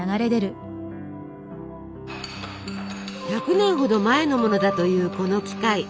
１００年ほど前のものだというこの機械。